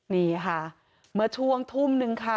นี่ค่ะเมื่อช่วงทุ่มนึงค่ะ